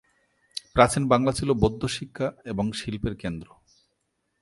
প্রাচীন বাংলা ছিল বৌদ্ধ শিক্ষা এবং শিল্পের কেন্দ্র।